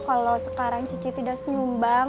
kalau sekarang cici tidak senyumbang